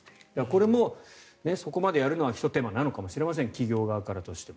これも、そこまでやるのはひと手間なのかもしれません企業側からしても。